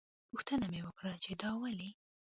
پوښتنه مې وکړه چې دا ولې.